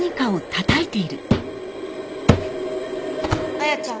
亜矢ちゃん。